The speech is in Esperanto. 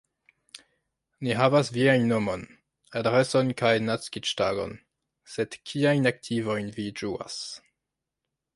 Ni havas viajn nomon, adreson kaj naskiĝtagon, sed kiajn aktivojn vi ĝuas?